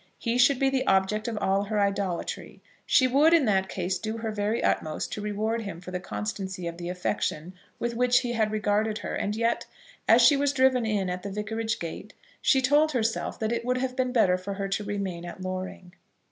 He should be the object of all her idolatry. She would, in that case, do her very utmost to reward him for the constancy of the affection with which he had regarded her; and yet, as she was driven in at the vicarage gate, she told herself that it would have been better for her to remain at Loring.